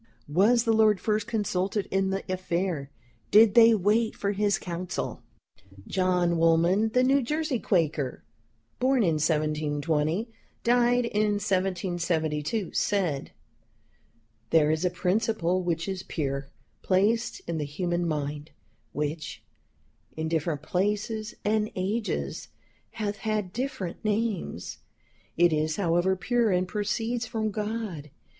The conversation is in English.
Was the Lord first consulted in the affair? Did they wait for his Counsell?" John Woolman, the New Jersey Quaker (born in 1720, died in 1772), said, "There is a principle which is pure, placed in the human mind, which, in different places and ages hath had different names; it is, however, pure, and proceeds from God.